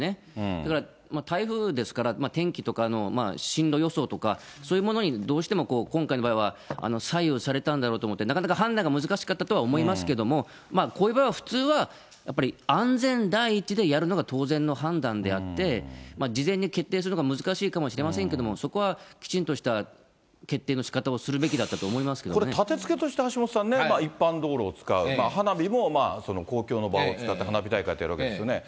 だから台風ですから、天気とかの進路予想とか、そういうものにどうしても今回の場合は左右されたんだろうと思って、なかなか判断が難しかったと思いますけれども、こういう場合は普通は、やっぱり安全第一でやるのが当然の判断であって、事前に決定するのが難しいかもしれませんけれども、そこはきちんとした決定のしかたをするべきだったと思いますけどこれ、たてつけとして橋下さんね、一般道路を使う、花火も公共の場を使って、花火大会ってやるわけですよね。